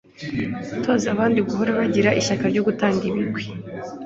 Gutoza abandi guhora bagira ishyaka ryo kurata ibigwi